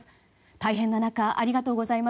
大変な中ありがとうございます。